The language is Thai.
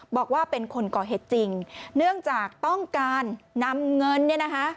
บอกว่าเป็นคนก่อเหตุจริงเนื่องจากต้องการนำเงินเนี่ยนะคะ